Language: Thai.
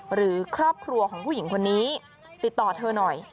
หรือครอบครัวของผู้หญิงคนนี้ติดต่อเธอหน่อย